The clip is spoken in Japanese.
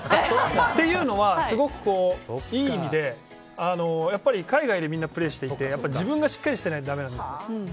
というのは、すごくいい意味で海外でみんなプレーしていて自分がしっかりしていないとだめなんです。